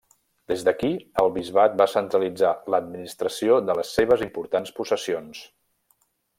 Des d'aquí, el bisbat va centralitzar l'administració de les seves importants possessions.